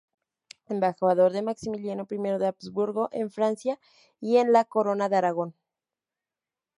Embajador de Maximiliano I de Habsburgo en Francia y en la Corona de Aragón.